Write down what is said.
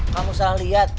kamu salah liat